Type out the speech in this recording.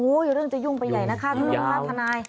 โอ้ยเรื่องจะยุ่งไปใหญ่นะคะทุกคนค่ะทนาย